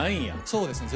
そうですね